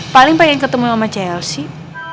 paling pengen ketemu sama chelsea